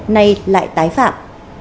nay lại tái phạm